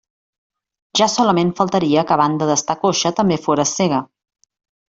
Ja solament faltaria que a banda d'estar coixa també fores cega.